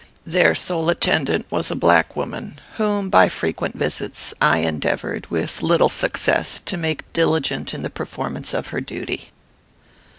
Their sole attendant was a black woman; whom, by frequent visits, I endeavoured, with little success, to make diligent in the performance of her duty."